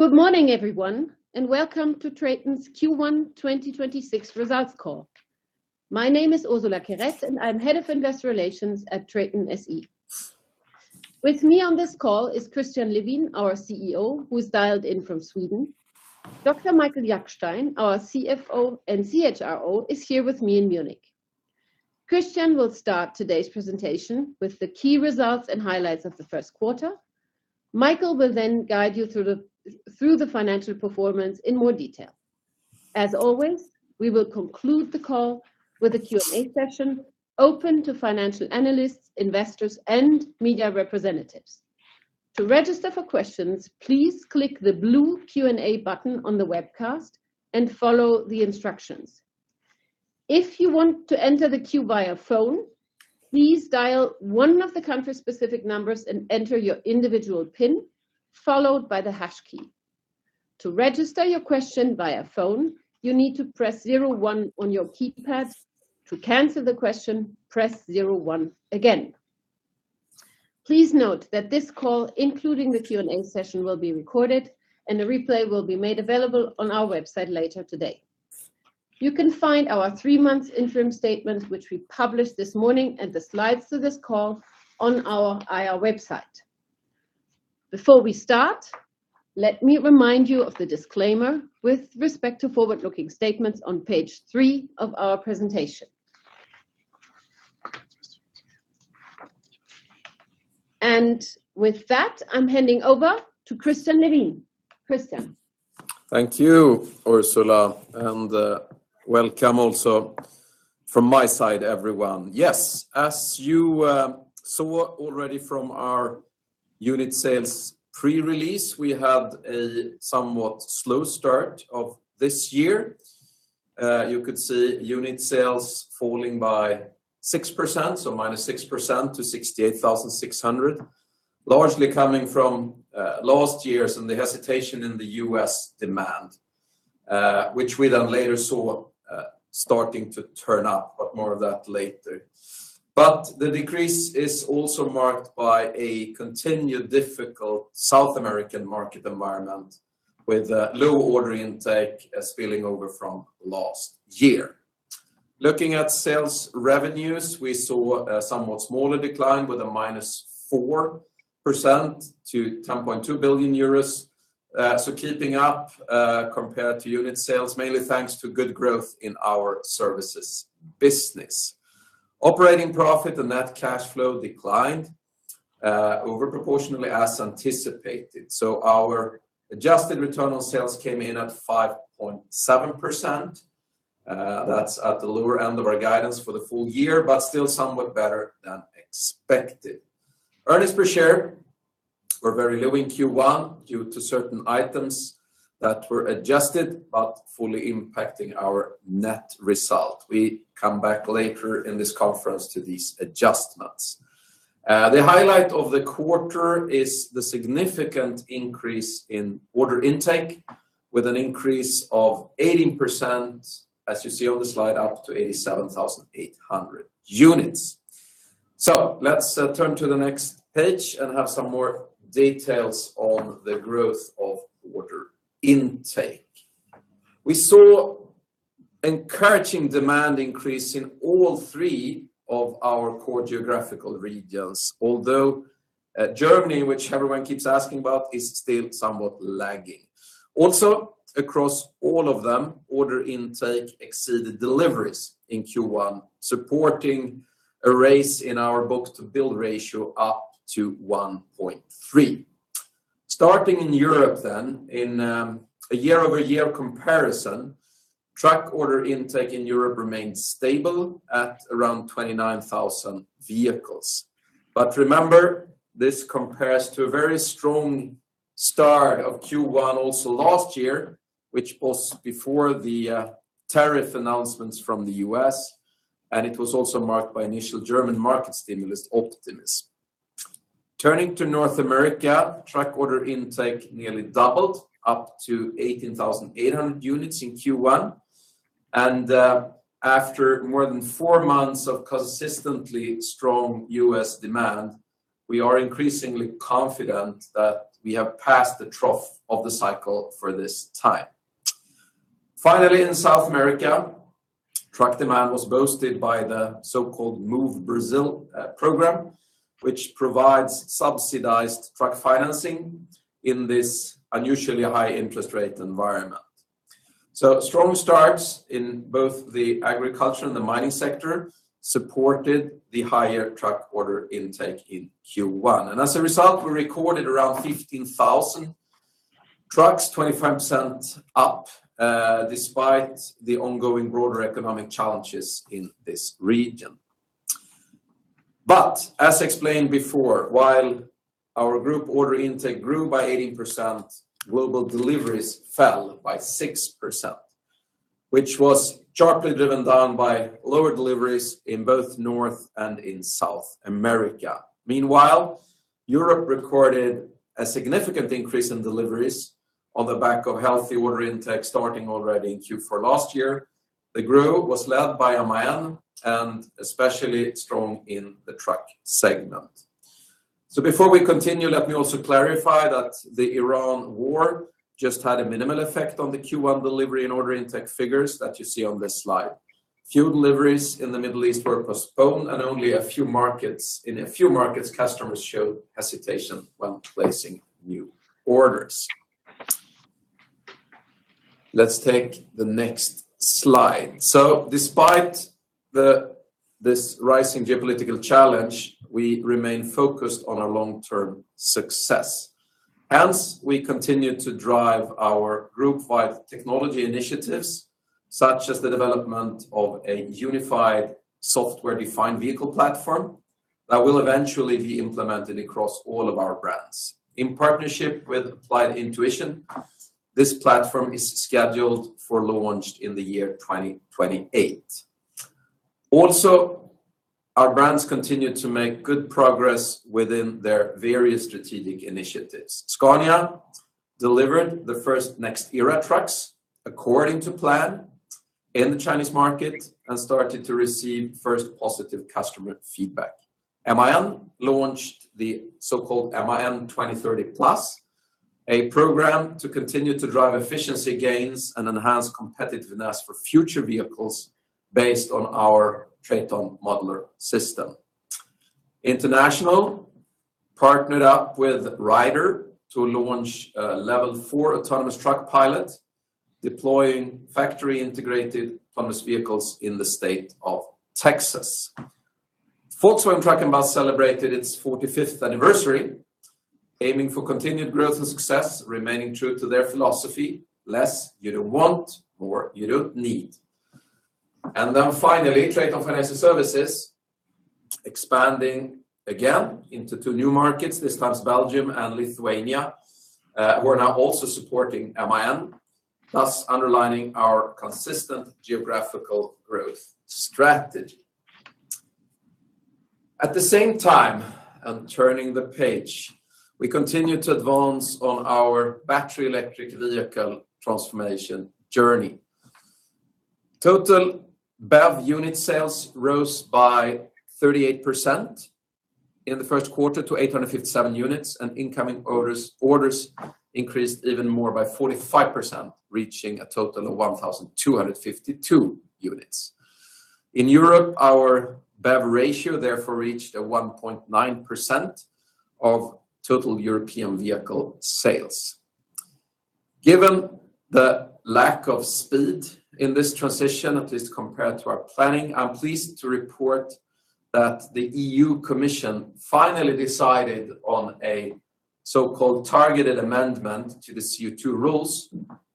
Good morning, everyone, and welcome to TRATON's Q1 2026 results call. My name is Ursula Querette, and I'm Head of Investor Relations at TRATON SE. With me on this call is Christian Levin, our CEO, who's dialed in from Sweden. Dr. Michael Jackstein, our CFO and CHRO, is here with me in Munich. Christian will start today's presentation with the key results and highlights of the first quarter. Michael will guide you through the financial performance in more detail. As always, we will conclude the call with a Q&A session open to financial analysts, investors, and media representatives. To register for questions, please click the blue Q&A button on the webcast and follow the instructions. If you want to enter the queue via phone, please dial one of the country-specific numbers and enter your individual PIN, followed by the hash key. To register your question via phone, you need to press zero one on your keypad. To cancel the question, press zero one again. Please note that this call, including the Q&A session, will be recorded, and a replay will be made available on our website later today. You can find our three-month interim statement, which we published this morning, and the slides to this call on our IR website. Before we start, let me remind you of the disclaimer with respect to forward-looking statements on page three of our presentation. With that, I'm handing over to Christian Levin. Christian. Thank you, Ursula, and welcome also from my side, everyone. As you saw already from our unit sales pre-release, we had a somewhat slow start of this year. You could see unit sales falling by 6%, so -6%, to 68,600, largely coming from last year's and the hesitation in the U.S. demand, which we then later saw starting to turn up, but more of that later. The decrease is also marked by a continued difficult South American market environment, with low order intake spilling over from last year. Looking at sales revenues, we saw a somewhat smaller decline with a -4% to 10.2 billion euros. Keeping up compared to unit sales, mainly thanks to good growth in our services business. Operating profit and net cash flow declined over proportionally as anticipated. Our adjusted return on sales came in at 5.7%. That's at the lower end of our guidance for the full year, but still somewhat better than expected. Earnings per share were very low in Q1 due to certain items that were adjusted but fully impacting our net result. We come back later in this conference to these adjustments. The highlight of the quarter is the significant increase in order intake, with an increase of 18%, as you see on the slide, up to 87,800 units. Let's turn to the next page and have some more details on the growth of order intake. We saw encouraging demand increase in all three of our core geographical regions, although, Germany, which everyone keeps asking about, is still somewhat lagging. Also, across all of them, order intake exceeded deliveries in Q1, supporting a raise in our book-to-bill ratio up to 1.3. Starting in Europe then, in a year-over-year comparison, truck order intake in Europe remained stable at around 29,000 vehicles. Remember, this compares to a very strong start of Q1 also last year, which was before the tariff announcements from the U.S., and it was also marked by initial German market stimulus optimism. Turning to North America, truck order intake nearly doubled, up to 18,800 units in Q1. After more than four months of consistently strong U.S. demand, we are increasingly confident that we have passed the trough of the cycle for this time. Finally, in South America, truck demand was boosted by the so-called Move Brasil program, which provides subsidized truck financing in this unusually high interest rate environment. Strong starts in both the agriculture and the mining sector supported the higher truck order intake in Q1. As a result, we recorded around 15,000 trucks, 25% up, despite the ongoing broader economic challenges in this region. As explained before, while our group order intake grew by 18%, global deliveries fell by 6%, which was sharply driven down by lower deliveries in both North and in South America. Meanwhile, Europe recorded a significant increase in deliveries on the back of healthy order intake starting already in Q4 last year. The group was led by MAN and especially strong in the truck segment. Before we continue, let me also clarify that the Iran war just had a minimal effect on the Q1 delivery and order intake figures that you see on this slide. Few deliveries in the Middle East were postponed, and only in a few markets, customers showed hesitation when placing new orders. Let's take the next slide. Despite this rising geopolitical challenge, we remain focused on our long-term success. Hence, we continue to drive our group-wide technology initiatives, such as the development of a unified software-defined vehicle platform that will eventually be implemented across all of our brands. In partnership with Applied Intuition, this platform is scheduled for launch in the year 2028. Also, our brands continue to make good progress within their various strategic initiatives. Scania delivered the first NEXT ERA trucks according to plan in the Chinese market and started to receive first positive customer feedback. MAN launched the so-called MAN2030+, a program to continue to drive efficiency gains and enhance competitiveness for future vehicles based on our TRATON Modular System. International partnered up with Ryder to launch a Level 4 autonomous truck pilot, deploying factory-integrated autonomous vehicles in the state of Texas. Volkswagen Truck & Bus celebrated its 45th anniversary, aiming for continued growth and success, remaining true to their philosophy, "less you don't want, more you don't need." Finally, TRATON Financial Services expanding again into two new markets, this time it's Belgium and Lithuania, who are now also supporting MAN, thus underlining our consistent geographical growth strategy. At the same time, and turning the page, we continue to advance on our battery electric vehicle transformation journey. Total BEV unit sales rose by 38% in the first quarter to 857 units, and incoming orders increased even more by 45%, reaching a total of 1,252 units. In Europe, our BEV ratio therefore reached a 1.9% of total European vehicle sales. Given the lack of speed in this transition, at least compared to our planning, I'm pleased to report that the EU Commission finally decided on a so-called targeted amendment to the CO2 rules,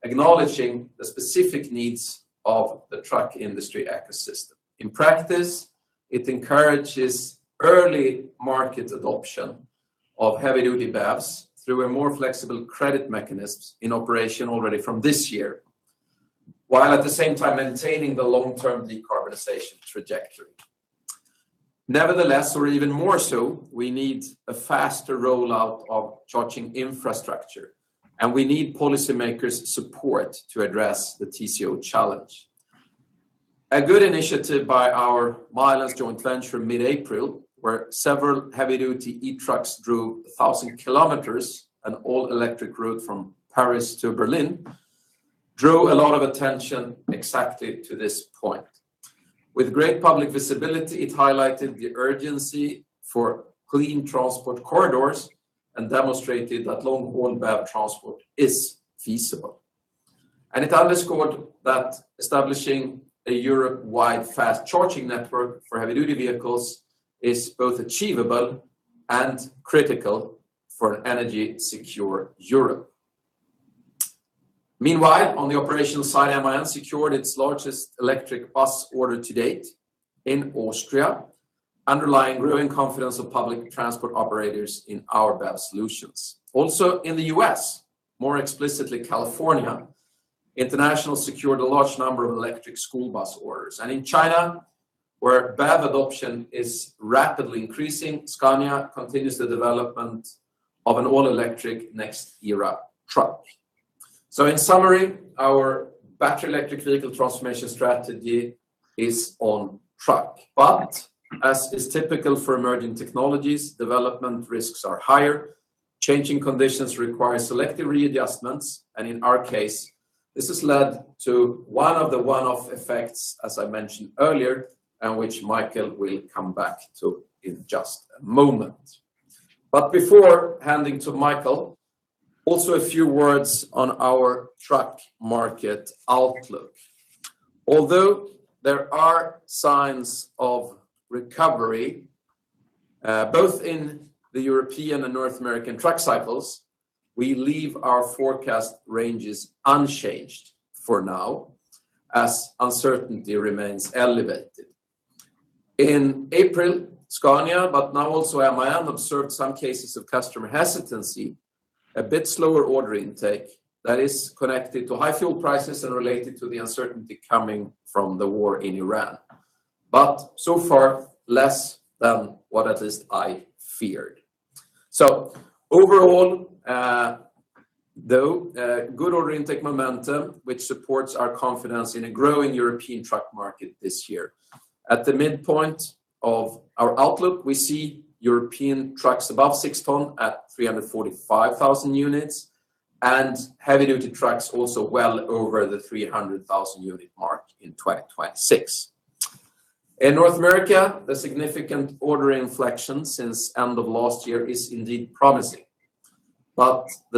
acknowledging the specific needs of the truck industry ecosystem. In practice, it encourages early market adoption of heavy-duty BEVs through a more flexible credit mechanism in operation already from this year, while at the same time maintaining the long-term decarbonization trajectory. Nevertheless, or even more so, we need a faster rollout of charging infrastructure, and we need policymakers' support to address the TCO challenge. A good initiative by our Milence joint venture in mid-April, where several heavy-duty e-trucks drove 1,000 km, an all-electric route from Paris to Berlin, drew a lot of attention exactly to this point. With great public visibility, it highlighted the urgency for clean transport corridors and demonstrated that long-haul BEV transport is feasible. It underscored that establishing a Europe-wide fast charging network for heavy-duty vehicles is both achievable and critical for an energy-secure Europe. Meanwhile, on the operational side, MAN secured its largest electric bus order to date in Austria, underlying growing confidence of public transport operators in our BEV solutions. In the U.S., more explicitly California, International secured a large number of electric school bus orders. In China, where BEV adoption is rapidly increasing, Scania continues the development of an all-electric NEXT ERA truck. In summary, our battery electric vehicle transformation strategy is on track. As is typical for emerging technologies, development risks are higher. Changing conditions require selective readjustments, and in our case, this has led to one of the one-off effects, as I mentioned earlier, and which Michael will come back to in just a moment. Before handing to Michael, also a few words on our truck market outlook. Although there are signs of recovery, both in the European and North American truck cycles, we leave our forecast ranges unchanged for now, as uncertainty remains elevated. In April, Scania, now also MAN, observed some cases of customer hesitancy, a bit slower order intake that is connected to high fuel prices and related to the uncertainty coming from the Iran war. So far, less than what at least I feared. Overall, good order intake momentum, which supports our confidence in a growing European truck market this year. At the midpoint of our outlook, we see European trucks above 6 tons at 345,000 units, and heavy-duty trucks also well over the 300,000 unit mark in 2026. The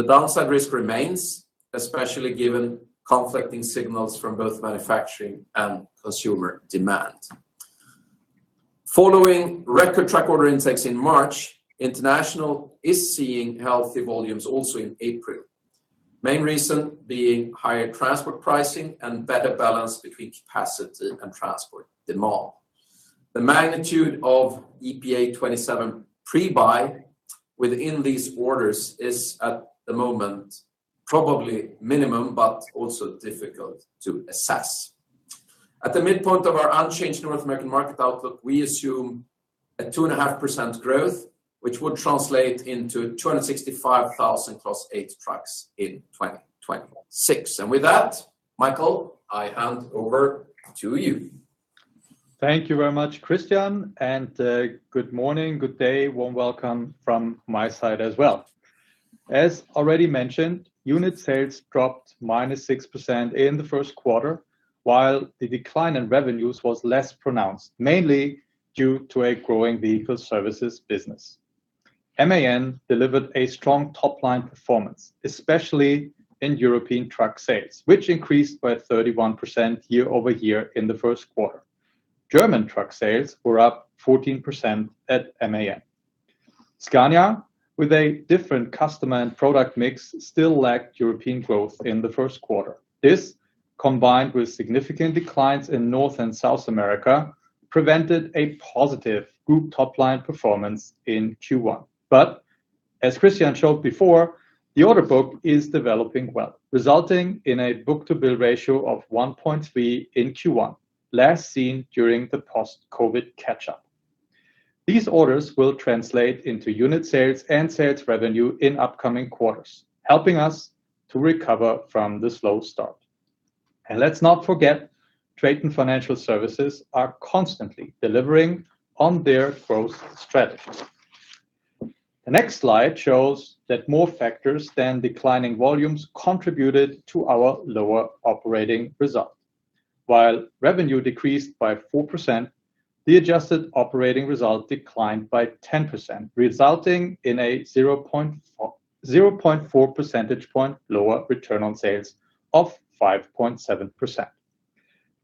downside risk remains, especially given conflicting signals from both manufacturing and consumer demand. Following record truck order intakes in March, International is seeing healthy volumes also in April. Main reason being higher transport pricing and better balance between capacity and transport demand. The magnitude of EPA 2027 pre-buy within these orders is, at the moment, probably minimum, but also difficult to assess. At the midpoint of our unchanged North American market outlook, we assume a 2.5% growth, which would translate into 265,000 Class 8 trucks in 2026. With that, Michael, I hand over to you. Thank you very much, Christian, and good morning, good day, warm welcome from my side as well. As already mentioned, unit sales dropped -6% in the first quarter, while the decline in revenues was less pronounced, mainly due to a growing vehicle services business. MAN delivered a strong top-line performance, especially in European truck sales, which increased by 31% year-over-year in the first quarter. German truck sales were up 14% at MAN. Scania, with a different customer and product mix, still lacked European growth in the first quarter. This, combined with significant declines in North and South America, prevented a positive group top-line performance in Q1. As Christian showed before, the order book is developing well, resulting in a book-to-bill ratio of 1.3 in Q1, last seen during the post-COVID catch-up. These orders will translate into unit sales and sales revenue in upcoming quarters, helping us to recover from the slow start. Let's not forget, TRATON Financial Services are constantly delivering on their growth strategy. The next slide shows that more factors than declining volumes contributed to our lower operating result. While revenue decreased by 4%, the adjusted operating result declined by 10%, resulting in a 0.4 percentage point lower return on sales of 5.7%.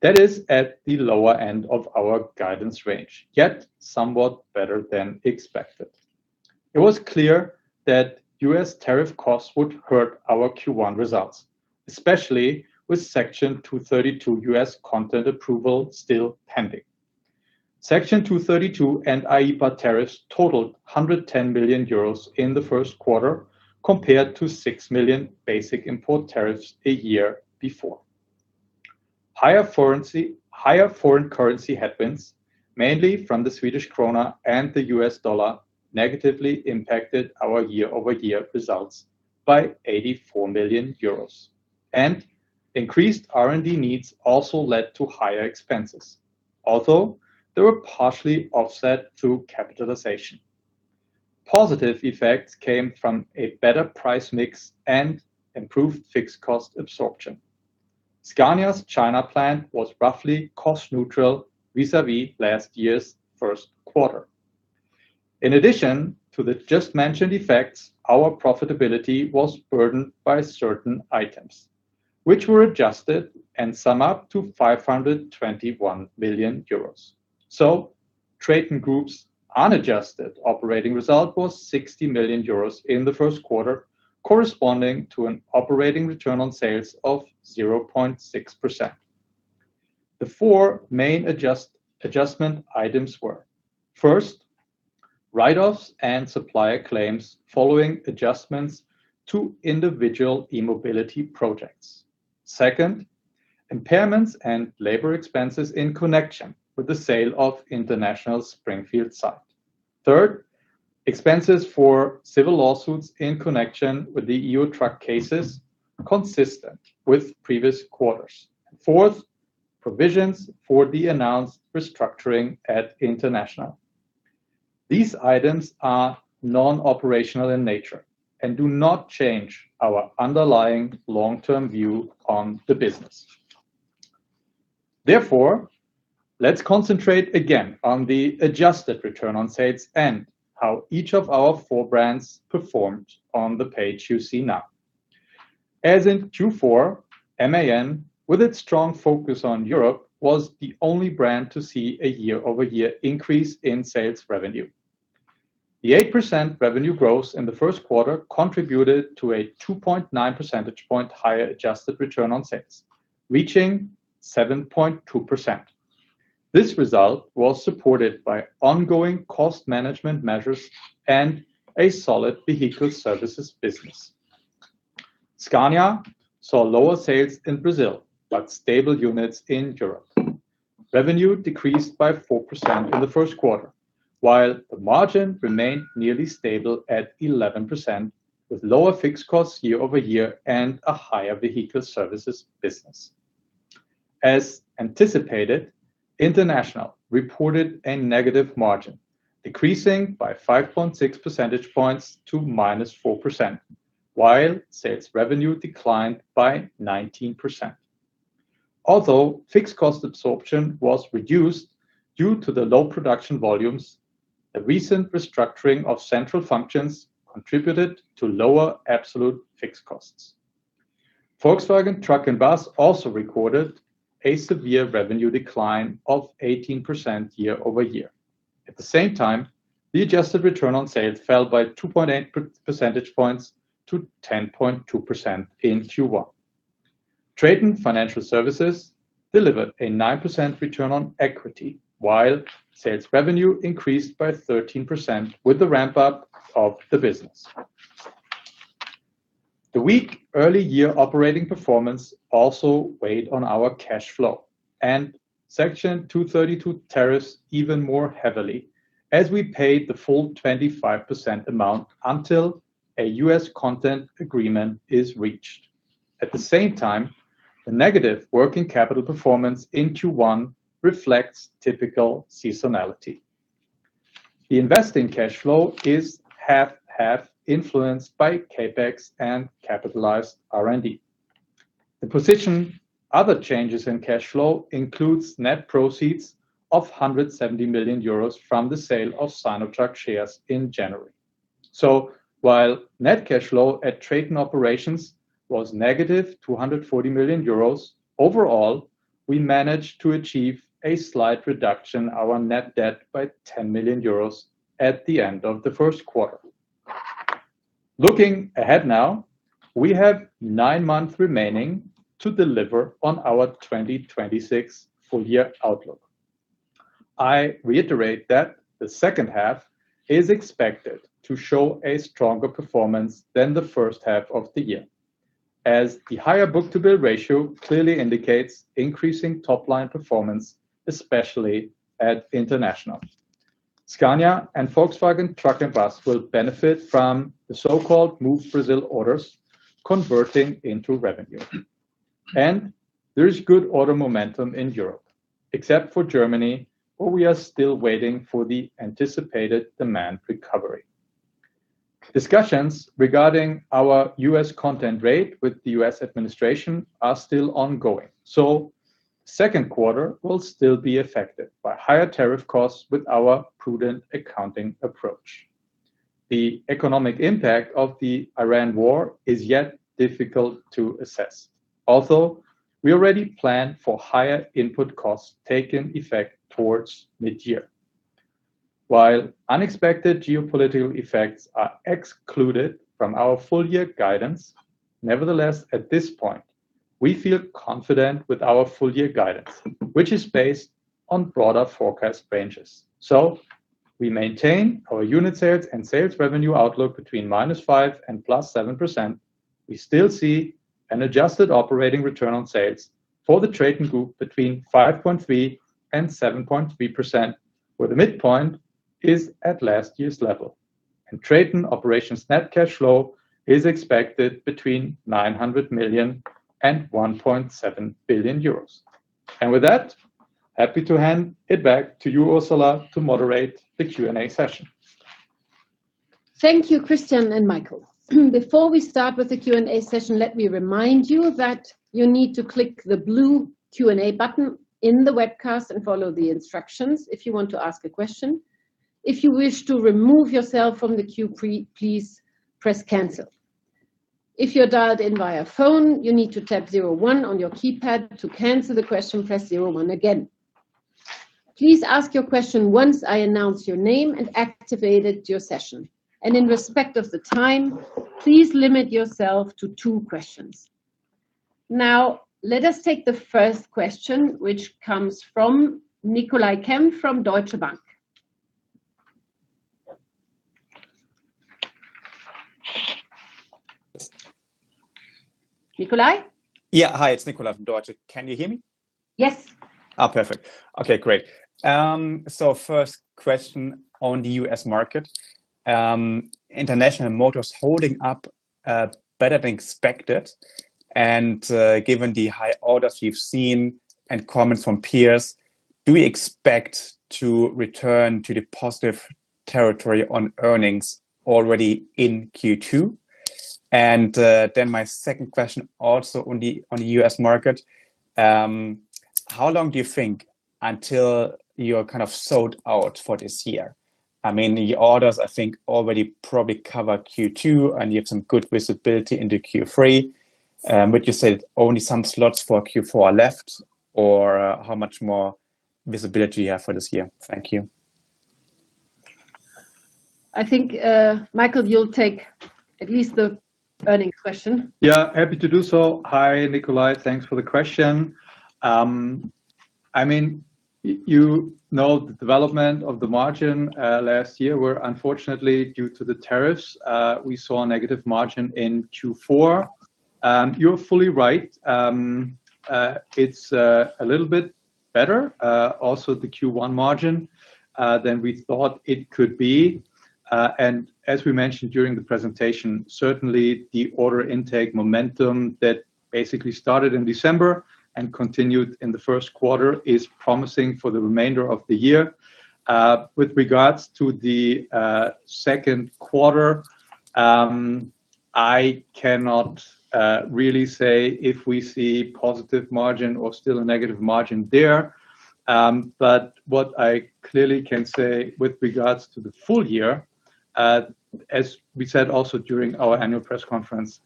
That is at the lower end of our guidance range, yet somewhat better than expected. It was clear that U.S. tariff costs would hurt our Q1 results, especially with Section 232 U.S. content approval still pending. Section 232 and IEEPA tariffs totaled 110 million euros in the first quarter, compared to 6 million basic import tariffs a year before. Higher foreign currency headwinds, mainly from the Swedish krona and the U.S. dollar, negatively impacted our year-over-year results by 84 million euros. Increased R&D needs also led to higher expenses, although they were partially offset through capitalization. Positive effects came from a better price mix and improved fixed cost absorption. Scania's China plant was roughly cost neutral vis-à-vis last year's first quarter. In addition to the just mentioned effects, our profitability was burdened by certain items, which were adjusted and sum up to 521 million euros. TRATON GROUP's unadjusted operating result was 60 million euros in the first quarter, corresponding to an operating return on sales of 0.6%. The four main adjustment items were, first, write-offs and supplier claims following adjustments to individual e-mobility projects. Second, impairments and labor expenses in connection with the sale of International's Springfield site. Third, expenses for civil lawsuits in connection with the EU truck cases, consistent with previous quarters. Fourth, provisions for the announced restructuring at International. These items are non-operational in nature and do not change our underlying long-term view on the business. Therefore, let's concentrate again on the adjusted return on sales and how each of our four brands performed on the page you see now. As in Q4, MAN, with its strong focus on Europe, was the only brand to see a year-over-year increase in sales revenue. The 8% revenue growth in the first quarter contributed to a 2.9 percentage point higher adjusted return on sales, reaching 7.2%. This result was supported by ongoing cost management measures and a solid vehicle services business. Scania saw lower sales in Brazil, but stable units in Europe. Revenue decreased by 4% in the first quarter. While the margin remained nearly stable at 11%, with lower fixed costs year-over-year and a higher vehicle services business. As anticipated, International reported a negative margin, decreasing by 5.6 percentage points to -4%, while sales revenue declined by 19%. Although fixed cost absorption was reduced due to the low production volumes, the recent restructuring of central functions contributed to lower absolute fixed costs. Volkswagen Truck & Bus also recorded a severe revenue decline of 18% year-over-year. At the same time, the adjusted return on sales fell by 2.8 percentage points to 10.2% in Q1. TRATON Financial Services delivered a 9% return on equity, while sales revenue increased by 13% with the ramp up of the business. The weak early-year operating performance also weighed on our cash flow. Section 232 tariffs even more heavily, as we paid the full 25% amount until a U.S. content agreement is reached. At the same time, the negative working capital performance in Q1 reflects typical seasonality. The investing cash flow is 50/50 influenced by CapEx and capitalized R&D. The position other changes in cash flow includes net proceeds of 170 million euros from the sale of Sinotruk shares in January. While net cash flow at TRATON operations was negative to 140 million euros, overall, we managed to achieve a slight reduction our net debt by 10 million euros at the end of the first quarter. Looking ahead now, we have nine months remaining to deliver on our 2026 full year outlook. I reiterate that the second half is expected to show a stronger performance than the first half of the year, as the higher book-to-bill ratio clearly indicates increasing top line performance, especially at International. Scania and Volkswagen Truck & Bus will benefit from the so-called Move Brasil orders converting into revenue. There is good auto momentum in Europe, except for Germany, where we are still waiting for the anticipated demand recovery. Discussions regarding our U.S. content rate with the U.S. administration are still ongoing, so second quarter will still be affected by higher tariff costs with our prudent accounting approach. The economic impact of the Iran war is yet difficult to assess. Also, we already planned for higher input costs taking effect towards mid-year. While unexpected geopolitical effects are excluded from our full-year guidance, nevertheless, at this point, we feel confident with our full-year guidance, which is based on broader forecast ranges. We maintain our unit sales and sales revenue outlook between -5% and +7%. We still see an adjusted operating return on sales for the TRATON GROUP between 5.3% and 7.3%, where the midpoint is at last year's level. TRATON operations net cash flow is expected between 900 million and 1.7 billion euros. With that, happy to hand it back to you, Ursula, to moderate the Q&A session. Thank you, Christian and Michael. Before we start with the Q&A session, let me remind you that you need to click the blue Q&A button in the webcast and follow the instructions if you want to ask a question. If you wish to remove yourself from the queue, please press cancel. If you're dialed in via phone, you need to tap zero one on your keypad. To cancel the question, press zero one again. Please ask your question once I announce your name and activated your session. In respect of the time, please limit yourself to two questions. Now, let us take the first question, which comes from Nicolai Kempf from Deutsche Bank. Nicolai? Yeah. Hi, it's Nicolai from Deutsche. Can you hear me? Yes. Perfect. Okay, great. First question on the U.S. market. International Motors holding up better than expected. Given the high orders you've seen and comments from peers, do we expect a return to the positive territory on earnings already in Q2? My second question, also on the U.S. market, how long do you think until you're kind of sold out for this year? I mean, the orders I think already probably cover Q2, and you have some good visibility into Q3. You said only some slots for Q4 are left. How much more visibility you have for this year? Thank you. I think, Michael, you'll take at least the earnings question. Yeah, happy to do so. Hi, Nicolai. Thanks for the question. I mean, you know the development of the margin last year were unfortunately, due to the tariffs, we saw a negative margin in Q4. You're fully right. It's a little bit better also the Q1 margin than we thought it could be. As we mentioned during the presentation, certainly the order intake momentum that basically started in December and continued in the first quarter is promising for the remainder of the year. With regards to the second quarter, I cannot really say if we see positive margin or still a negative margin there. What I clearly can say with regards to the full year, as we said also during our annual press conference,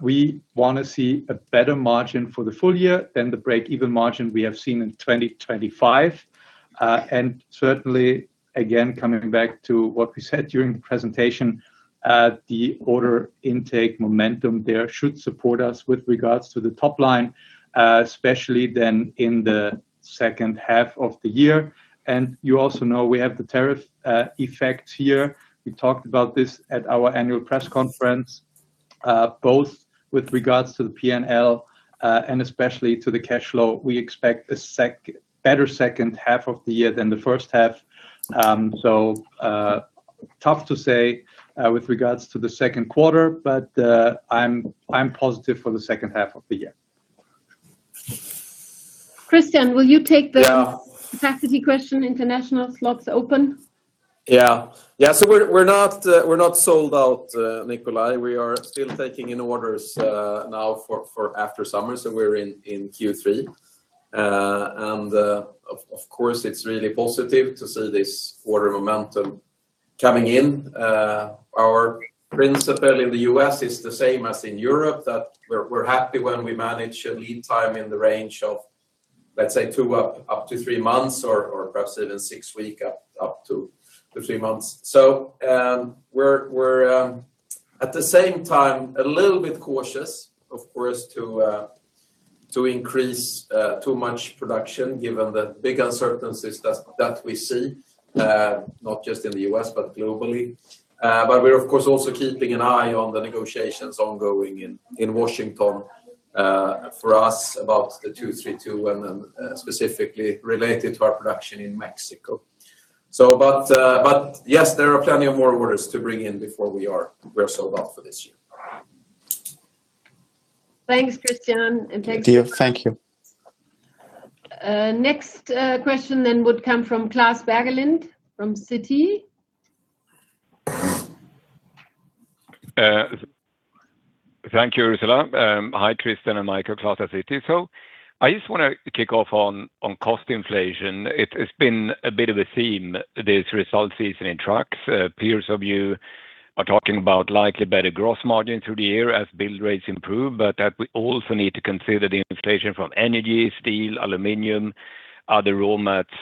we wanna see a better margin for the full year than the break-even margin we have seen in 2025. Certainly, again, coming back to what we said during the presentation, the order intake momentum there should support us with regards to the top line, especially than in the second half of the year. You also know we have the tariff effect here. We talked about this at our annual press conference, both with regards to the P&L and especially to the cash flow. We expect a better second half of the year than the first half. Tough to say with regards to the second quarter, but I'm positive for the second half of the year. Christian, will you take. Yeah. Capacity question, international slots open? We're not sold out, Nicolai. We are still taking in orders now for after summer, so we're in Q3. Of course, it's really positive to see this order momentum coming in. Our principle in the U.S. is the same as in Europe, that we're happy when we manage a lead time in the range of, let's say, two up to three months or perhaps even six week up to three months. We're at the same time, a little bit cautious, of course, to increase too much production given the big uncertainties that we see, not just in the U.S., but globally. We're of course also keeping an eye on the negotiations ongoing in Washington, for us about the Section 232 and specifically related to our production in Mexico. Yes, there are plenty of more orders to bring in before we're sold out for this year. Thanks, Christian. Thank you. Next question then would come from Klas Bergelind from Citi. Thank you, Ursula. Hi, Christian and Michael. Klas at Citigroup. I just wanna kick off on cost inflation. It's been a bit of a theme this results season in trucks. Peers of you are talking about likely better gross margin through the year as build rates improve, that we also need to consider the inflation from energy, steel, aluminum. Are the raw mats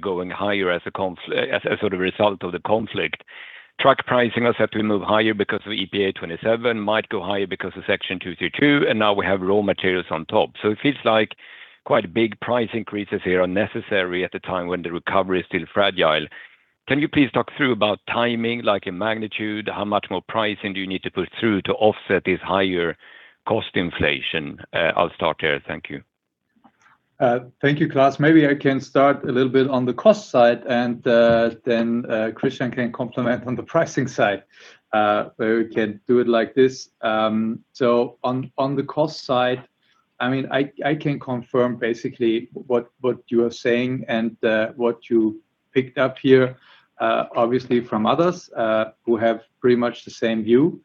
going higher as a sort of result of the conflict? Truck pricing has had to move higher because of EPA 2027, might go higher because of Section 232, now we have raw materials on top. It feels like quite big price increases here are necessary at a time when the recovery is still fragile. Can you please talk through about timing, like in magnitude, how much more pricing do you need to put through to offset this higher cost inflation? I'll start there. Thank you. Thank you, Klas. Maybe I can start a little bit on the cost side, Christian can complement on the pricing side. Maybe we can do it like this. On the cost side, I mean, I can confirm basically what you are saying and what you picked up here, obviously from others who have pretty much the same view.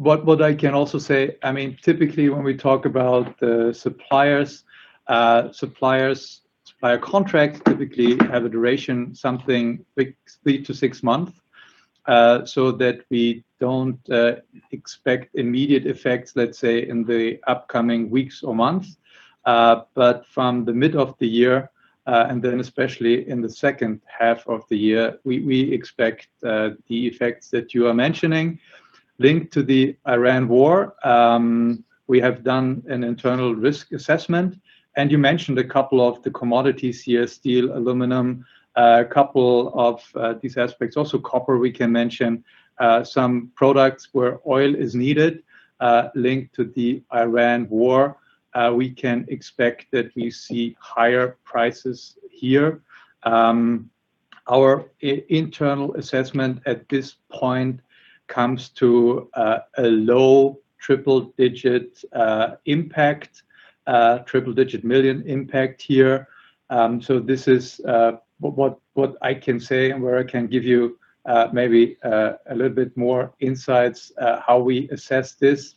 What I can also say, I mean, typically, when we talk about the suppliers, supplier contracts typically have a duration something 3-6 months, so that we don't expect immediate effects, let's say, in the upcoming weeks or months. From the mid of the year, and then especially in the second half of the year, we expect the effects that you are mentioning linked to the Iran war. We have done an internal risk assessment, and you mentioned a couple of the commodities here, steel, aluminum, a couple of these aspects. Also copper, we can mention, some products where oil is needed, linked to the Iran war. We can expect that we see higher prices here. Our internal assessment at this point comes to a low triple digit impact, triple digit million impact here. This is what I can say and where I can give you maybe a little bit more insights how we assess this.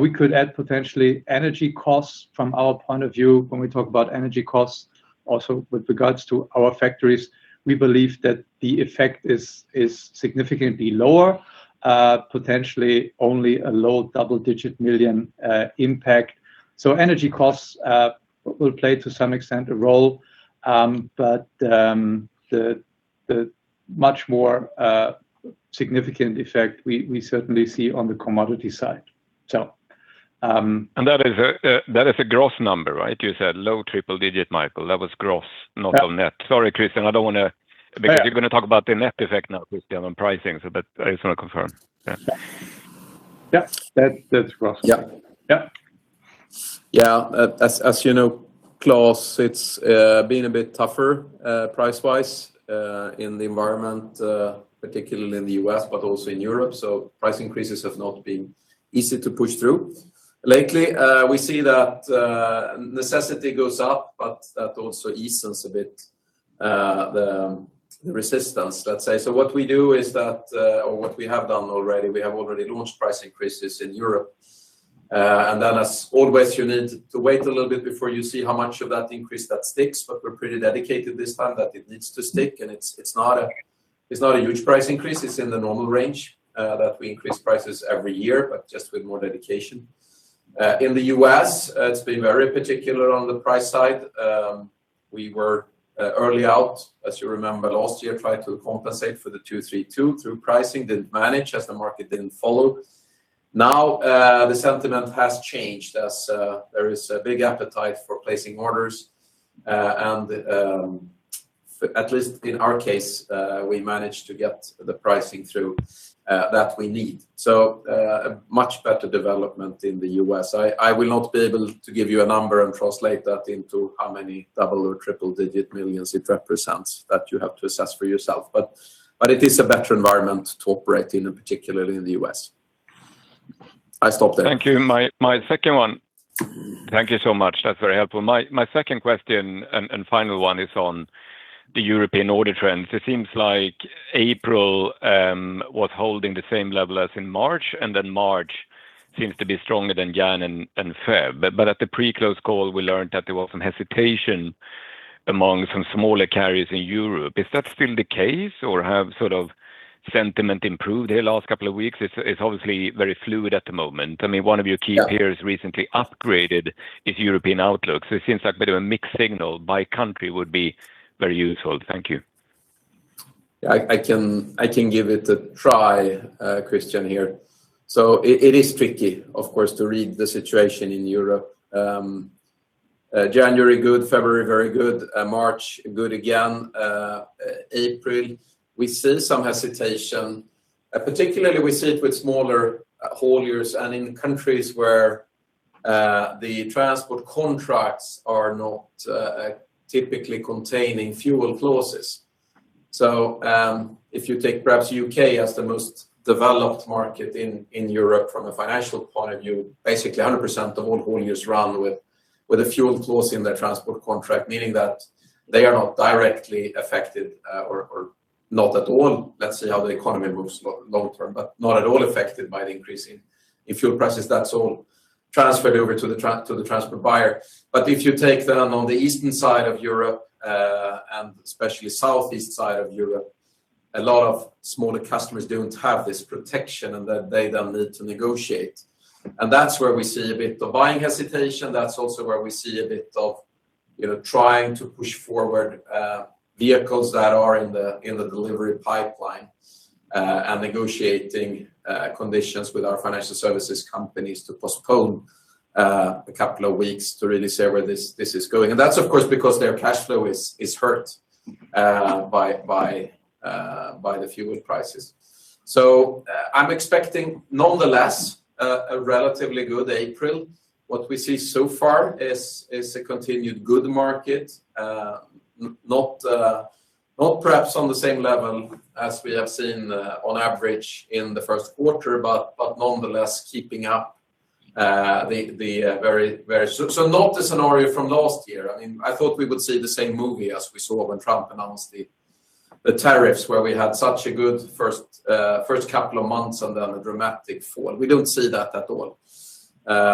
We could add potentially energy costs from our point of view when we talk about energy costs. Also, with regards to our factories, we believe that the effect is significantly lower, potentially only a low double-digit million impact. Energy costs will play, to some extent, a role. But the much more significant effect we certainly see on the commodity side. That is a gross number, right? You said low triple digit, Michael. That was gross, not on net. Yeah. Sorry, Christian. Yeah. Because you're gonna talk about the net effect now with German pricing, but I just wanna confirm. Yeah. Yeah. That's gross. Yeah. Yeah. Yeah. As, as you know, Klas, it's been a bit tougher, price-wise, in the environment, particularly in the U.S., but also in Europe, so price increases have not been easy to push through. Lately, we see that necessity goes up, but that also eases a bit the resistance, let's say. What we do is that, or what we have done already, we have already launched price increases in Europe. As always, you need to wait a little bit before you see how much of that increase that sticks, but we're pretty dedicated this time that it needs to stick, and it's not a, it's not a huge price increase. It's in the normal range that we increase prices every year, but just with more dedication. In the U.S., it's been very particular on the price side. We were early out, as you remember last year, tried to compensate for the 232 through pricing. Didn't manage, as the market didn't follow. The sentiment has changed, as there is a big appetite for placing orders. At least in our case, we managed to get the pricing through that we need. A much better development in the U.S. I will not be able to give you a number and translate that into how many double or triple-digit millions it represents, that you have to assess for yourself. It is a better environment to operate in, and particularly in the U.S. I stop there. Thank you. My second one. Thank you so much. That's very helpful. My second question and final one is on the European order trends. It seems like April was holding the same level as in March, then March seems to be stronger than January and February. At the pre-close call, we learned that there was some hesitation among some smaller carriers in Europe. Is that still the case, or have sort of sentiment improved here last couple of weeks? It's obviously very fluid at the moment. I mean, one of your key peers. Yeah. Recently upgraded its European outlook, so it seems like a bit of a mixed signal. By country would be very useful. Thank you. I can give it a try, Christian, here. It is tricky, of course, to read the situation in Europe. January, good. February, very good. March, good again. April, we see some hesitation. Particularly we see it with smaller hauliers and in countries where the transport contracts are not typically containing fuel clauses. If you take perhaps U.K. as the most developed market in Europe from a financial point of view, basically 100% of all hauliers run with a fuel clause in their transport contract, meaning that they are not directly affected or not at all. Let's see how the economy moves long term, but not at all affected by the increase in fuel prices. That's all transferred over to the transport buyer. If you take then on the eastern side of Europe, and especially southeast side of Europe, a lot of smaller customers don't have this protection, and then they then need to negotiate. That's where we see a bit of buying hesitation. That's also where we see a bit of, you know, trying to push forward, vehicles that are in the delivery pipeline, and negotiating conditions with our TRATON Financial Services to postpone a couple of weeks to really see where this is going. That's of course because their cashflow is hurt by the fuel prices. I'm expecting nonetheless, a relatively good April. What we see so far is a continued good market. Not perhaps on the same level as we have seen on average in the first quarter, but nonetheless, keeping up. Not the scenario from last year. I mean, I thought we would see the same movie as we saw when Trump announced the tariffs where we had such a good first couple of months and then a dramatic fall. We don't see that at all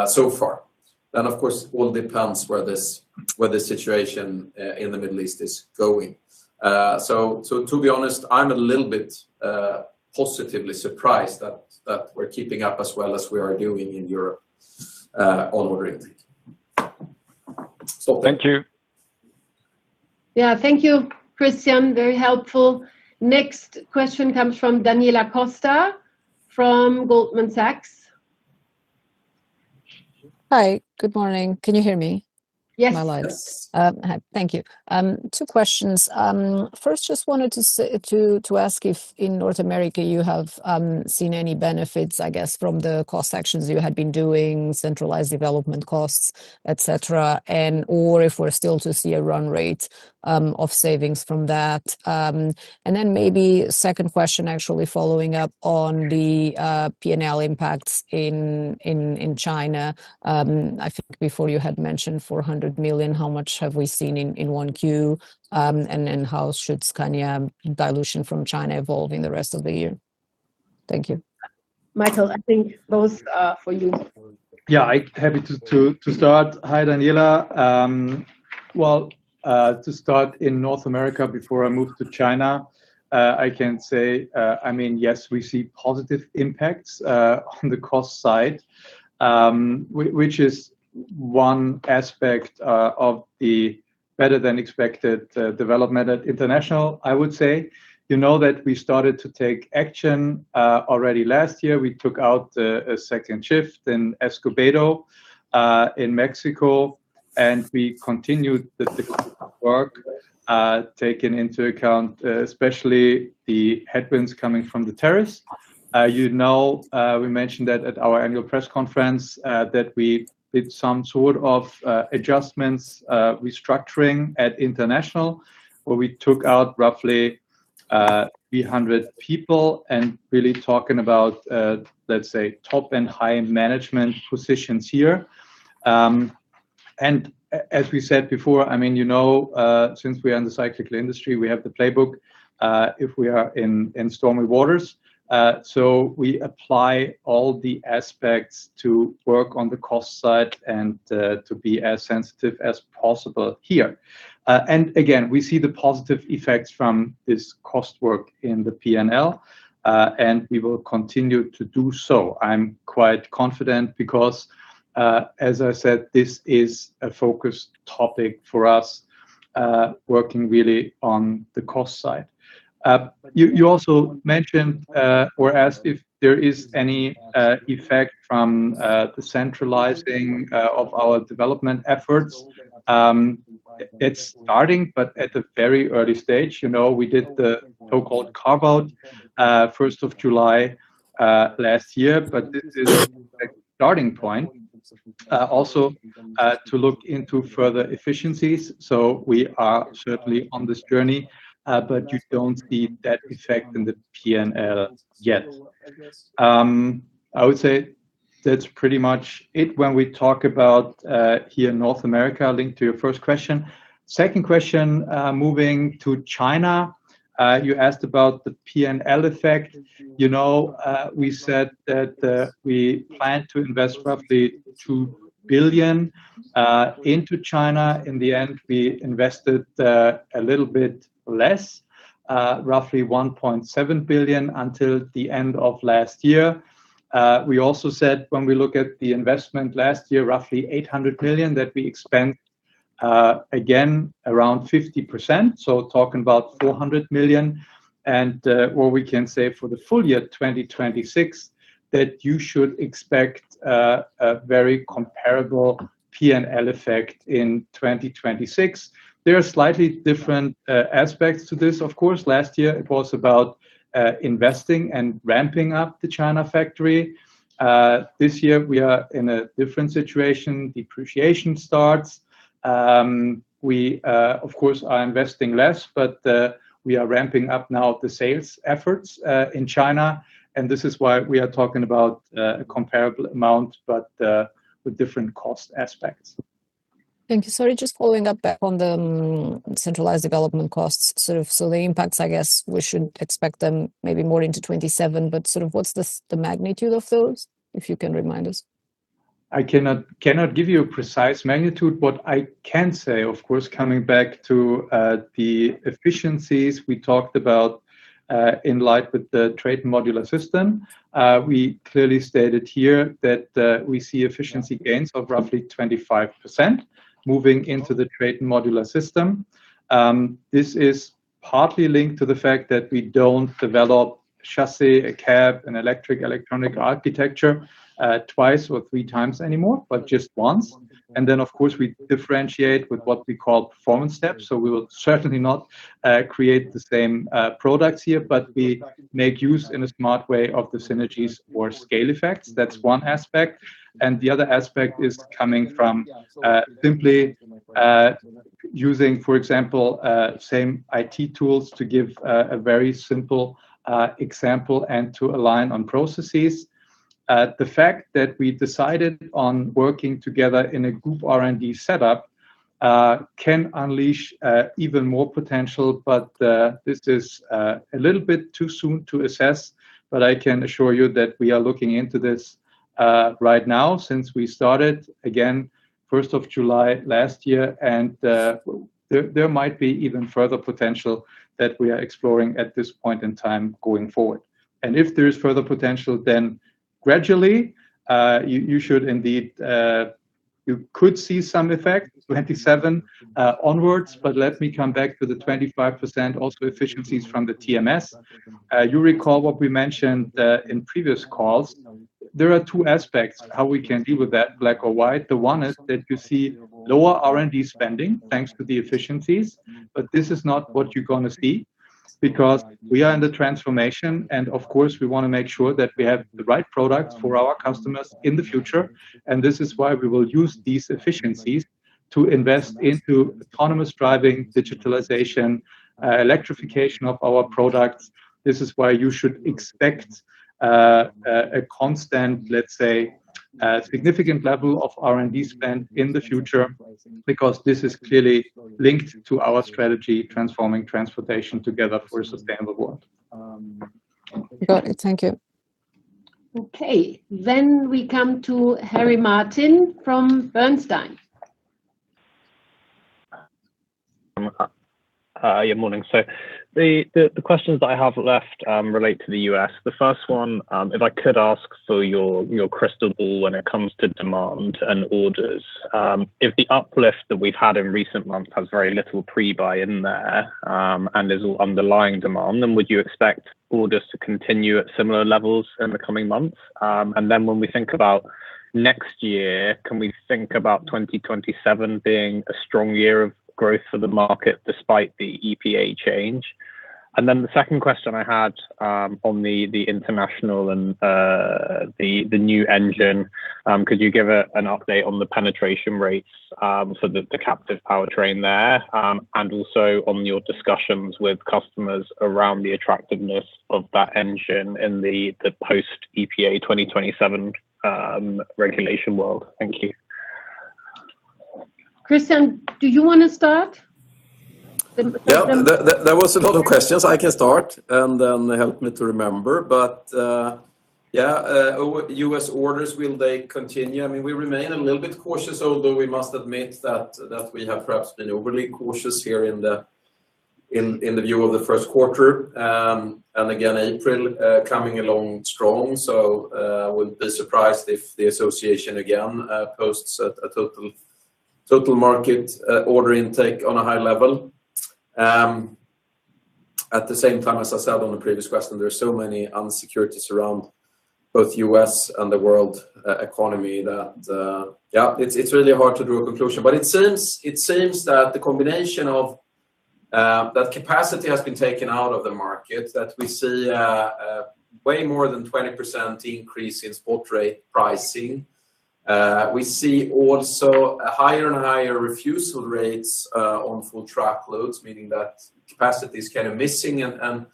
so far. Of course, all depends where the situation in the Middle East is going. To be honest, I'm a little bit positively surprised that we're keeping up as well as we are doing in Europe on order intake. Thank you. Thank you, Christian. Very helpful. Next question comes from Daniela Costa from Goldman Sachs. Hi. Good morning. Can you hear me? Yes. Am I live? Yes. Thank you. Two questions. First just wanted to ask if in North America you have seen any benefits, I guess, from the cost actions you had been doing, centralized development costs, et cetera, and/or if we're still to see a run rate of savings from that. Then maybe second question actually following up on the P&L impacts in China. I think before you had mentioned 400 million, how much have we seen in 1Q? How should Scania dilution from China evolve in the rest of the year? Thank you. Michael, I think those are for you. Yeah, I happy to start. Hi, Daniela. Well, to start in North America before I move to China, I can say, I mean, yes, we see positive impacts on the cost side. Which is one aspect of the better than expected, development at International, I would say. You know that we started to take action already last year. We took out a second shift in Escobedo, in Mexico, and we continued the work taking into account especially the headwinds coming from the tariffs. You know, we mentioned that at our annual press conference that we did some sort of adjustments, restructuring at International, where we took out roughly 300 people and really talking about, let's say, top and high-end management positions here. As we said before, I mean, you know, since we are in the cyclical industry, we have the playbook if we are in stormy waters. We apply all the aspects to work on the cost side and to be as sensitive as possible here. Again, we see the positive effects from this cost work in the P&L, and we will continue to do so. I'm quite confident because, as I said, this is a focus topic for us, working really on the cost side. You also mentioned or asked if there is any effect from the centralizing of our development efforts. It's starting, but at the very early stage. You know, we did the so-called carve-out first of July last year. This is a starting point also to look into further efficiencies. We are certainly on this journey. You don't see that effect in the P&L yet. I would say that's pretty much it when we talk about here in North America, linked to your first question. Second question, moving to China, you asked about the P&L effect. You know, we said that we plan to invest roughly 2 billion into China. In the end, we invested a little bit less, roughly 1.7 billion until the end of last year. We also said, when we look at the investment last year, roughly 800 million, that we spent again, around 50%, so talking about 400 million. What we can say for the full year, 2026, that you should expect a very comparable P&L effect in 2026. There are slightly different aspects to this, of course. Last year, it was about investing and ramping up the China factory. This year, we are in a different situation. Depreciation starts. We, of course, are investing less, but, we are ramping up now the sales efforts, in China, and this is why we are talking about, a comparable amount, but, with different cost aspects. Thank you. Sorry, just following up back on the centralized development costs. The impacts, I guess, we should expect them maybe more into 2027, but what's the magnitude of those, if you can remind us? I cannot give you a precise magnitude. I can say, of course, coming back to the efficiencies we talked about in light with the TRATON Modular System. We clearly stated here that we see efficiency gains of roughly 25% moving into the TRATON Modular System. This is partly linked to the fact that we don't develop chassis, a cab, an electric electronic architecture twice or three times anymore, but just once. Of course, we differentiate with what we call performance steps. We will certainly not create the same products here, but we make use in a smart way of the synergies or scale effects. That's one aspect. The other aspect is coming from, simply, using, for example, same IT tools to give a very simple example and to align on processes. The fact that we decided on working together in a group R&D setup, can unleash even more potential, but this is a little bit too soon to assess. I can assure you that we are looking into this right now, since we started, again, 1st of July last year. There, there might be even further potential that we are exploring at this point in time going forward. If there's further potential, then gradually, you should indeed. You could see some effect, 2027 onwards, but let me come back to the 25% also efficiencies from the TMS. You recall what we mentioned in previous calls. There are two aspects how we can deal with that, black or white. The one is that you see lower R&D spending, thanks to the efficiencies, but this is not what you're gonna see because we are in the transformation, and of course, we want to make sure that we have the right product for our customers in the future. This is why we will use these efficiencies to invest into autonomous driving, digitalization, electrification of our products. This is why you should expect a constant, let's say, significant level of R&D spend in the future, because this is clearly linked to our strategy, Transforming Transportation Together. For a sustainable world. Got it. Thank you. Okay. We come to Harry Martin from Bernstein. Yeah, morning. The questions that I have left relate to the U.S. The first one, if I could ask for your crystal ball when it comes to demand and orders. If the uplift that we've had in recent months has very little pre-buy in there, and is all underlying demand, would you expect orders to continue at similar levels in the coming months? When we think about next year, can we think about 2027 being a strong year of growth for the market despite the EPA change? The second question I had on the International and the new engine, could you give an update on the penetration rates for the captive powertrain there, and also on your discussions with customers around the attractiveness of that engine in the post EPA 2027 regulation world? Thank you. Christian, do you wanna start? There was a lot of questions. I can start, and then help me to remember. U.S. orders, will they continue? I mean, we remain a little bit cautious, although we must admit that we have perhaps been overly cautious here in the view of the first quarter. Again, April coming along strong, wouldn't be surprised if the association again posts a total market order intake on a high level. At the same time, as I said on the previous question, there are so many insecurities around both U.S. and the world economy that it's really hard to draw a conclusion. It seems that the combination of that capacity has been taken out of the market, that we see a way more than 20% increase in spot rate pricing. We see also a higher refusal rates on full truckloads, meaning that capacity is kind of missing and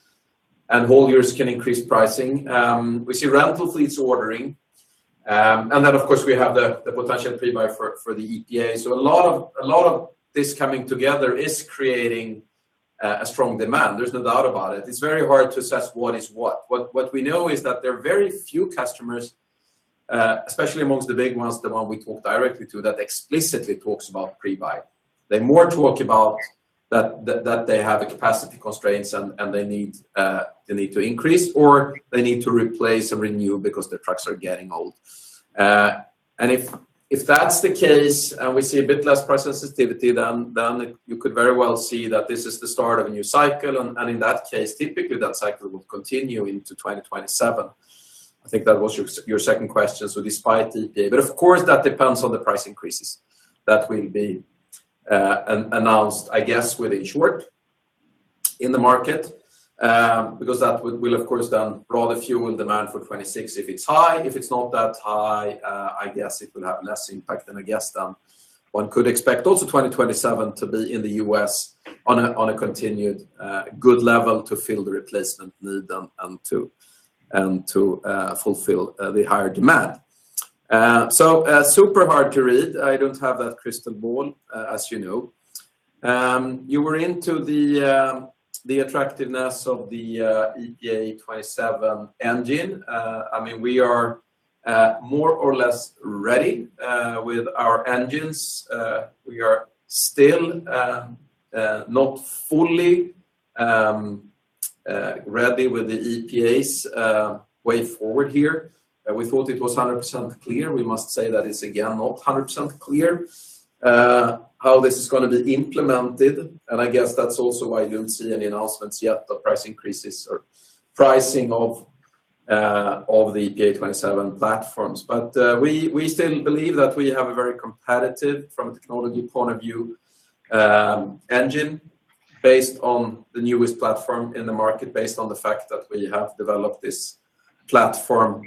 hauliers can increase pricing. We see rental fleets ordering. Of course, we have the potential pre-buy for the EPA. A lot of this coming together is creating a strong demand. There's no doubt about it. It's very hard to assess what is what. What we know is that there are very few customers, especially amongst the big ones, the one we talk directly to, that explicitly talks about pre-buy. They more talk about that they have a capacity constraints and they need to increase, or they need to replace and renew because their trucks are getting old. If that's the case and we see a bit less price sensitivity, then you could very well see that this is the start of a new cycle and in that case, typically that cycle will continue into 2027. I think that was your second question. Despite EPA. Of course, that depends on the price increases that will be announced, I guess, within short in the market. Because that will of course then draw the fuel demand for 2026 if it's high. If it's not that high, I guess it will have less impact than I guess then one could expect also 2027 to be in the U.S. on a continued good level to fill the replacement need and to fulfill the higher demand. Super hard to read. I don't have that crystal ball, as you know. You were into the attractiveness of the EPA 2027 engine. I mean, we are more or less ready with our engines. We are still not fully ready with the EPA's way forward here. We thought it was 100% clear. We must say that it's again not 100% clear how this is gonna be implemented, and I guess that's also why you don't see any announcements yet, the price increases or pricing of the EPA 2027 platforms. We still believe that we have a very competitive, from a technology point of view, engine based on the newest platform in the market, based on the fact that we have developed this platform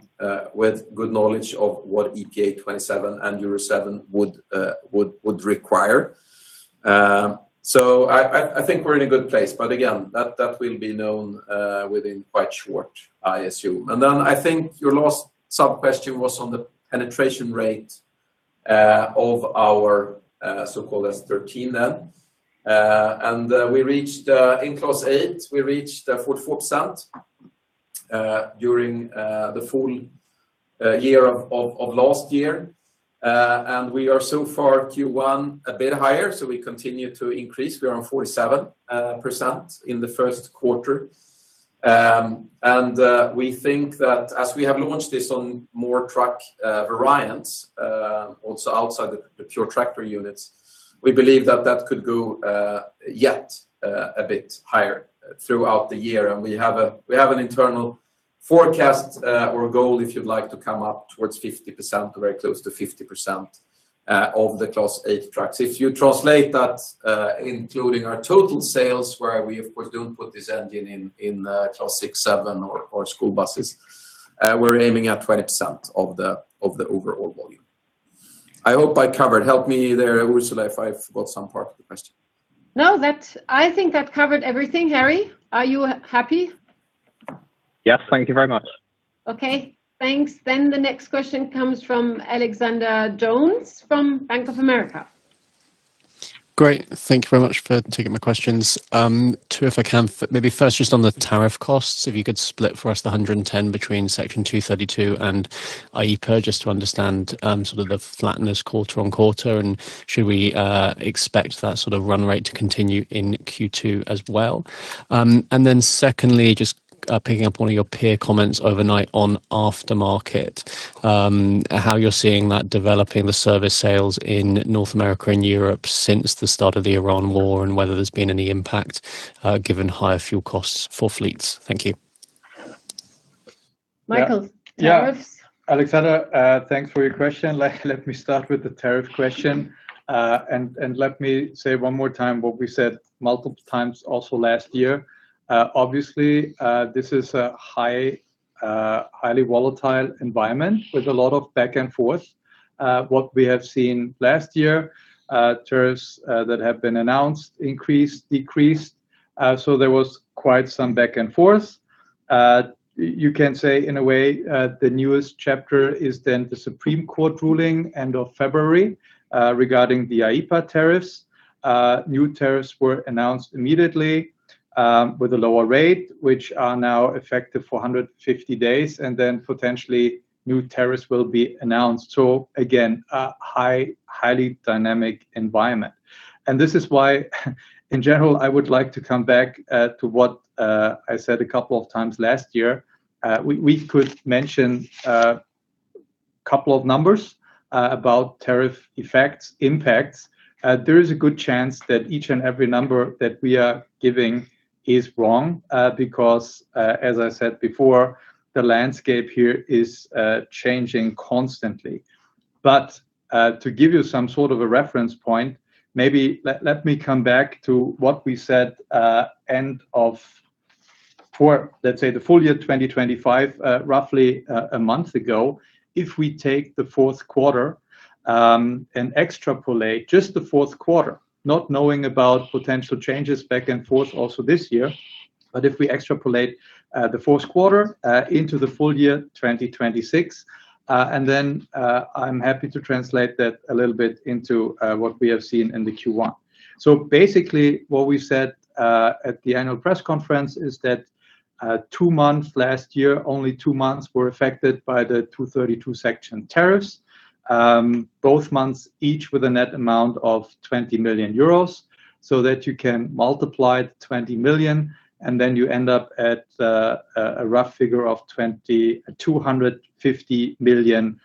with good knowledge of what EPA 2027 and Euro 7 would require. I think we're in a good place, but again, that will be known within quite short, I assume. I think your last sub-question was on the penetration rate of our so-called S13 then. We reached in Class 8 44% during the full year of last year. We are so far Q1 a bit higher, so we continue to increase. We are on 47% in the first quarter. We think that as we have launched this on more truck variants, also outside the pure tractor units, we believe that that could go yet a bit higher throughout the year. We have an internal forecast or goal if you'd like, to come up towards 50%, very close to 50% of the Class 8 trucks. If you translate that, including our total sales, where we of course don't put this engine in Class 6, 7 or school buses, we're aiming at 20% of the overall volume. I hope I covered. Help me there, Ursula, if I forgot some part of the question. No, I think that covered everything. Harry, are you happy? Yes. Thank you very much. Okay, thanks. The next question comes from Alexander Jones from Bank of America Great. Thank you very much for taking my questions. Two if I can. Maybe first just on the tariff costs, if you could split for us the 110 between Section 232 and IEEPA, just to understand, sort of the flatness quarter-on-quarter, and should we expect that sort of run rate to continue in Q2 as well? And then secondly, just picking up one of your peer comments overnight on aftermarket, how you're seeing that developing the service sales in North America and Europe since the start of the Iran war, and whether there's been any impact given higher fuel costs for fleets. Thank you. Michael? Yeah. Tariffs? Alexander, thanks for your question. Let me start with the tariff question. Let me say one more time what we said multiple times also last year. Obviously, this is a highly volatile environment with a lot of back and forth. What we have seen last year, tariffs that have been announced increased, decreased, so there was quite some back and forth. You can say in a way, the newest chapter is the U.S. Supreme Court ruling end of February regarding the IEEPA tariffs. New tariffs were announced immediately with a lower rate, which are now effective for 150 days, and then potentially new tariffs will be announced. Again, a highly dynamic environment. This is why, in general, I would like to come back to what I said a couple of times last year. We could mention couple of numbers about tariff effects, impacts. There is a good chance that each and every number that we are giving is wrong because as I said before, the landscape here is changing constantly. To give you some sort of a reference point, maybe let me come back to what we said end of. For, let's say, the full year 2025, roughly a month ago, if we take the Q4, and extrapolate just the Q4, not knowing about potential changes back and forth also this year, but if we extrapolate the Q4 into the full year 2026, then I'm happy to translate that a little bit into what we have seen in the Q1. What we said at the annual press conference is that two months last year, only two months were affected by the Section 232 tariffs. Both months, each with a net amount of 20 million euros, so that you can multiply the 20 million, then you end up at a rough figure of 20. 250 million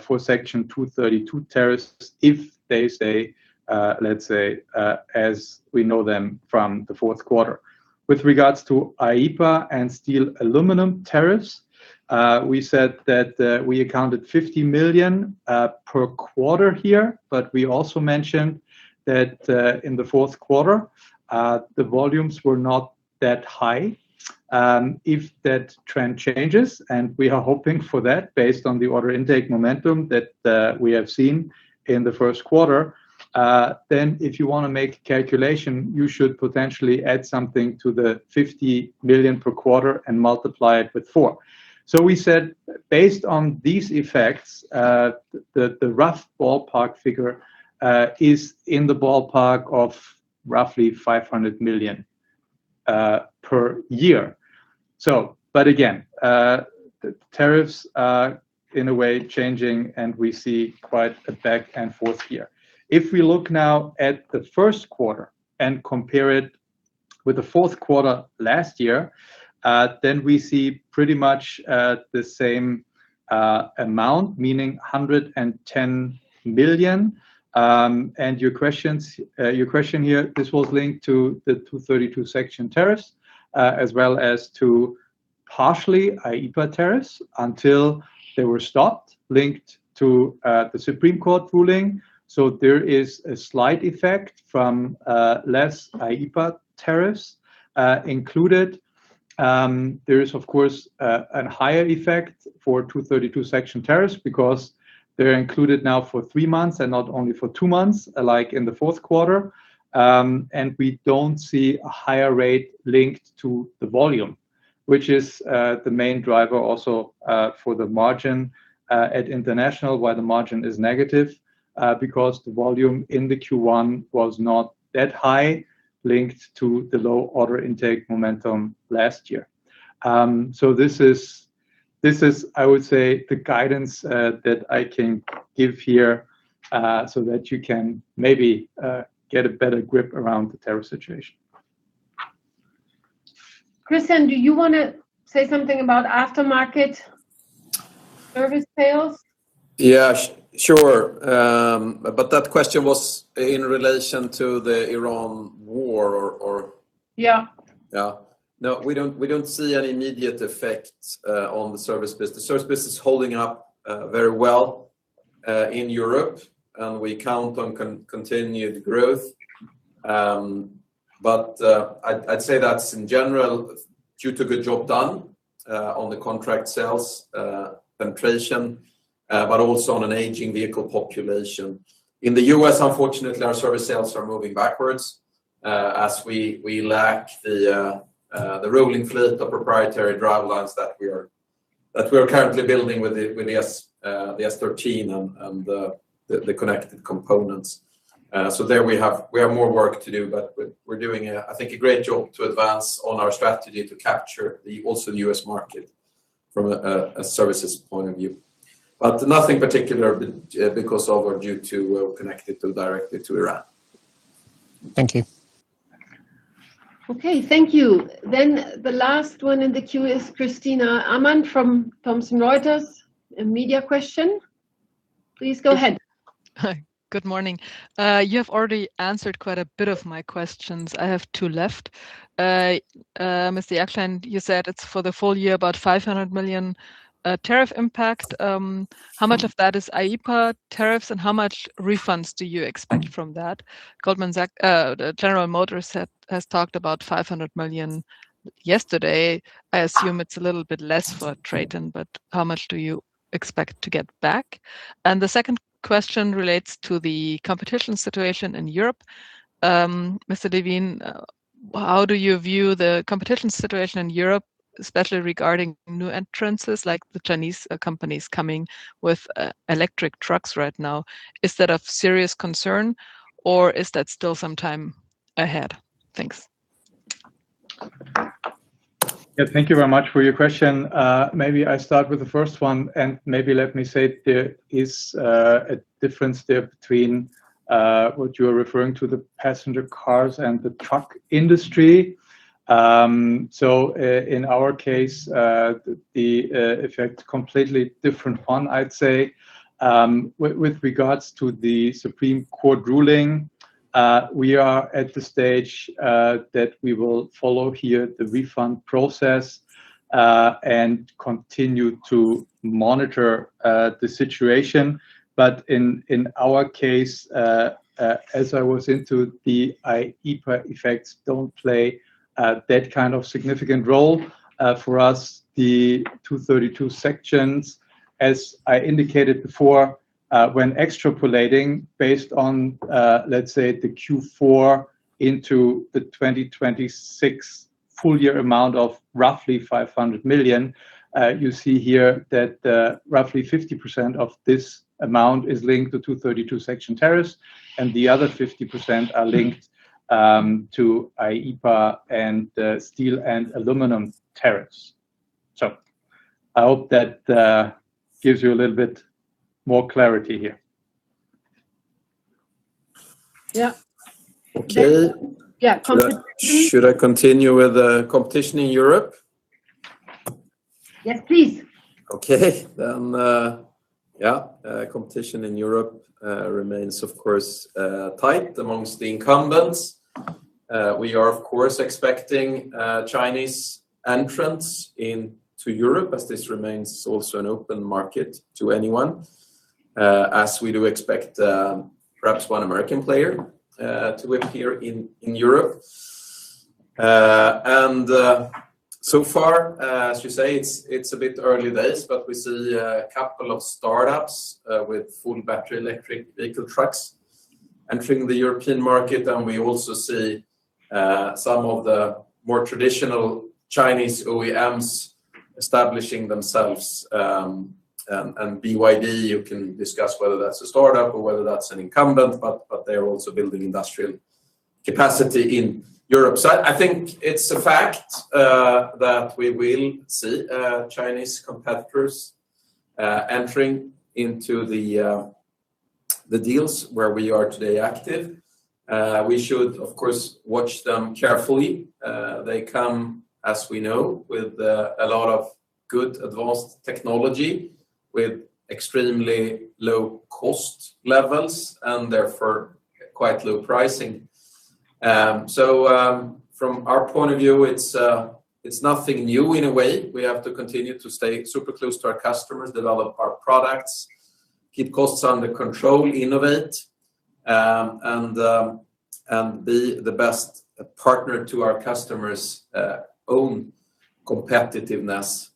for Section 232 tariffs if they stay, let's say, as we know them from the fourth quarter. With regards to IEEPA and steel aluminum tariffs, we said that we accounted 50 million per quarter here, but we also mentioned that in the fourth quarter, the volumes were not that high. If that trend changes, and we are hoping for that based on the order intake momentum that we have seen in the first quarter, if you wanna make a calculation, you should potentially add something to the 50 million per quarter and multiply it with four. We said, based on these effects, the rough ballpark figure is in the ballpark of roughly 500 million per year. Again, the tariffs are in a way changing, and we see quite a back and forth here. If we look now at the first quarter and compare it with the fourth quarter last year, we see pretty much the same amount, meaning 110 million. Your questions, your question here, this was linked to the Section 232 tariffs, as well as to partially IEEPA tariffs until they were stopped, linked to the U.S. Supreme Court ruling. There is a slight effect from less IEEPA tariffs included. There is of course, an higher effect for Section 232 tariffs because they're included now for three months and not only for two months, like in the fourth quarter. We don't see a higher rate linked to the volume, which is the main driver also for the margin at International, why the margin is negative because the volume in the Q1 was not that high, linked to the low order intake momentum last year. This is, this is, I would say, the guidance that I can give here, so that you can maybe get a better grip around the tariff situation. Christian, do you wanna say something about aftermarket service sales? Yeah, sure. That question was in relation to the Iran war or. Yeah. Yeah. No, we don't see any immediate effects on the service business. Service business holding up very well in Europe, and we count on continued growth. I'd say that's in general due to good job done on the contract sales penetration, but also on an aging vehicle population. In the U.S., unfortunately, our service sales are moving backwards, as we lack the rolling fleet of proprietary drivelines that we are That we are currently building with the S13 and the connected components. There we have more work to do, but we're doing a, I think, a great job to advance on our strategy to capture the also the U.S. market from a services point of view. Nothing particular because of or due to connected to directly to Iran. Thank you. Okay. Thank you. The last one in the queue is Christina Amann from Thomson Reuters. A media question. Please go ahead. Hi. Good morning. You have already answered quite a bit of my questions. I have two left. Mr. Jackstein, you said it's for the full year about 500 million tariff impact. How much of that is IEEPA tariffs, and how much refunds do you expect from that? Goldman Sachs, General Motors has talked about $500 million yesterday. I assume it's a little bit less for TRATON, but how much do you expect to get back? The second question relates to the competition situation in Europe. Mr. Levin, how do you view the competition situation in Europe, especially regarding new entrances like the Chinese companies coming with electric trucks right now? Is that of serious concern or is that still some time ahead? Thanks. Yeah, thank you very much for your question. Maybe I start with the first one, maybe let me say there is a difference there between what you are referring to, the passenger cars and the truck industry. In our case, the effect completely different one, I'd say. With regards to the Supreme Court ruling, we are at the stage that we will follow here the refund process and continue to monitor the situation. In our case, as I was into the IEEPA effects don't play that kind of significant role. For us, the Section 232 sections, as I indicated before, when extrapolating based on, let's say, the Q4 into the 2026 full year amount of roughly 500 million, you see here that roughly 50% of this amount is linked to Section 232 tariffs, and the other 50% are linked to IEEPA and steel and aluminum tariffs. I hope that gives you a little bit more clarity here. Yeah. Okay. Yeah. Competition, please. Should I continue with the competition in Europe? Yes, please. Competition in Europe remains, of course, tight amongst the incumbents. We are of course expecting Chinese entrants into Europe as this remains also an open market to anyone, as we do expect perhaps one American player to appear in Europe. So far, as you say, it's a bit early days, but we see a couple of startups with full battery electric vehicle trucks entering the European market, and we also see some of the more traditional Chinese OEMs establishing themselves, and BYD, you can discuss whether that's a startup or whether that's an incumbent, but they're also building industrial capacity in Europe. I think it's a fact that we will see Chinese competitors entering into the deals where we are today active. We should of course watch them carefully. They come, as we know, with a lot of good advanced technology with extremely low cost levels and therefore quite low pricing. From our point of view, it's nothing new in a way. We have to continue to stay super close to our customers, develop our products, keep costs under control, innovate, and be the best partner to our customers' own competitiveness.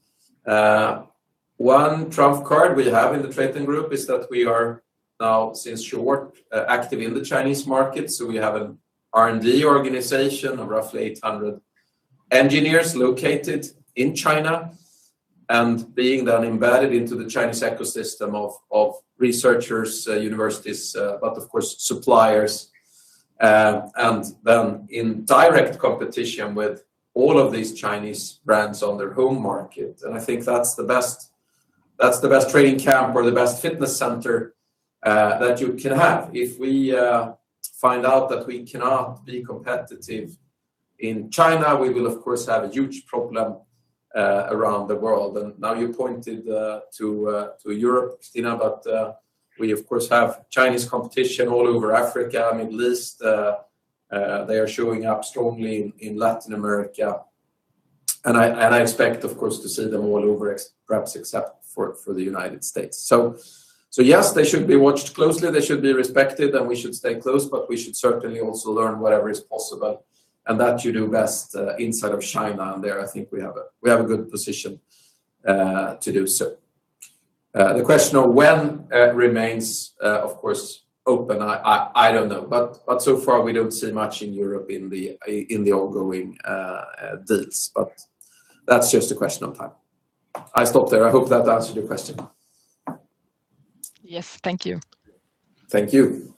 One trump card we have in the TRATON GROUP is that we are now since short, active in the Chinese market, so we have an R&D organization of roughly 800 engineers located in China, and being then embedded into the Chinese ecosystem of researchers, universities, but of course suppliers. Then in direct competition with all of these Chinese brands on their home market. I think that's the best, that's the best training camp or the best fitness center, that you can have. If we find out that we cannot be competitive in China, we will of course have a huge problem around the world. Now you pointed to Europe, Christina, but, we of course have Chinese competition all over Africa, Middle East. They are showing up strongly in Latin America. I expect of course to see them all over except for the U.S. Yes, they should be watched closely. They should be respected, and we should stay close, but we should certainly also learn whatever is possible, and that you do best inside of China, and there I think we have a good position to do so. The question of when remains of course open. I don't know. So far we don't see much in Europe in the ongoing deals. That's just a question of time. I stop there. I hope that answered your question. Yes. Thank you. Thank you.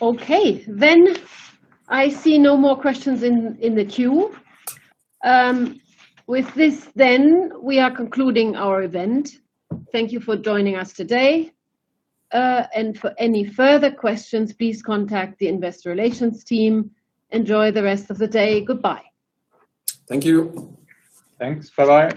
Okay. I see no more questions in the queue. With this, we are concluding our event. Thank you for joining us today. For any further questions, please contact the investor relations team. Enjoy the rest of the day. Goodbye. Thank you. Thanks. Bye-bye.